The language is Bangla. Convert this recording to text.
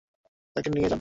তাকে নিয়ে যান।